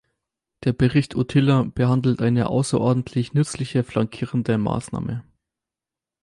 Der Bericht Otila behandelt eine außerordentlich nützliche flankierende Maßnahme.